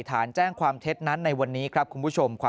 ฐานแจ้งความเท็จนั้นในวันนี้ครับคุณผู้ชม